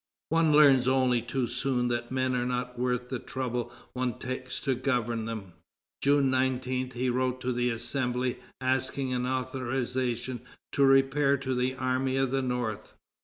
One learns only too soon that men are not worth the trouble one takes to govern them." June 19, he wrote to the Assembly, asking an authorization to repair to the Army of the North.